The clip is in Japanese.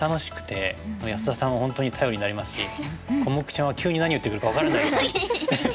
安田さんは本当に頼りになりますしコモクちゃんは急に何を言ってくるか分からないから。